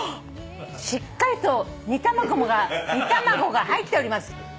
しっかりと煮卵が入っております。